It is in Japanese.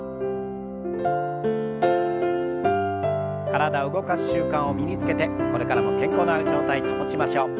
体を動かす習慣を身につけてこれからも健康な状態保ちましょう。